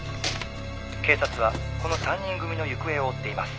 「警察はこの３人組の行方を追っています」